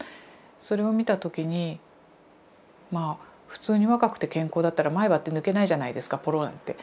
それを見た時にまあ普通に若くて健康だったら前歯って抜けないじゃないですかポロなんて。